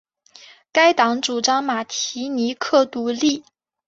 该党主张马提尼克独立。